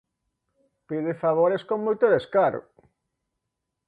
Pide favores con moito descaro.